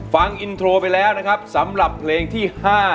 ฟังอินโทรไปแล้วนะครับสำหรับเพลงที่๕